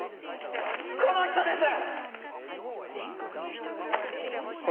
この人です！